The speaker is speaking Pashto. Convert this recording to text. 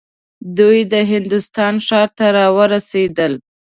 دوی د هندوستان ښار ته راورسېدل.